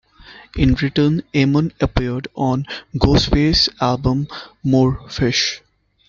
In return Eamon appeared on Ghostface's album "More Fish".